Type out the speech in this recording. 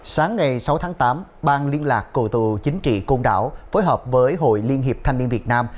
sáng ngày sáu tháng tám bang liên lạc cổ tù chính trị côn đảo phối hợp với hội liên hiệp thanh niên việt nam